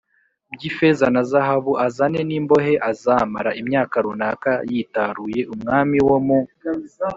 by ifeza na zahabu azane n imbohe Azamara imyaka runaka yitaruye umwami wo mu